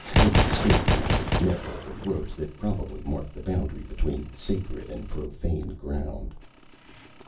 They stood behind a network of ropes that probably marked the boundary between sacred and profane ground.